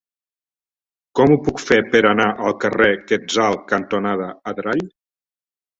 Com ho puc fer per anar al carrer Quetzal cantonada Adrall?